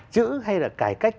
chữ hay là cải cách